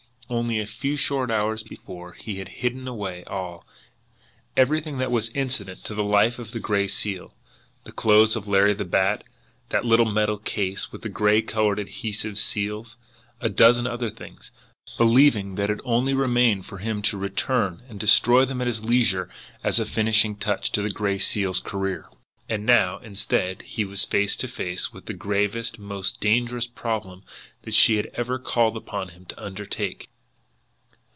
Only a few short hours before he had hidden away all, everything that was incident to the life of the Gray Seal, the clothes of Larry the Bat, that little metal case with the gray coloured, adhesive seals, a dozen other things, believing that it only remained for him to return and destroy them at his leisure as a finishing touch to the Gray Seal's career and now, instead, he was face to face with the gravest and most dangerous problem that she had ever called upon him to undertake!